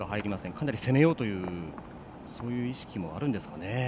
かなり攻めようという意識もあるんですかね。